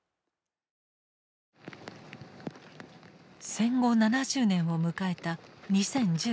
戦後７０年を迎えた２０１５年。